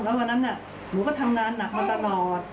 แล้ววันนั้นหนูก็ทำงานหนักมาตลอด